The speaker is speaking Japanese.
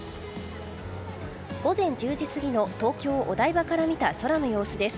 午前１０時過ぎの東京・お台場から見た雲の様子です。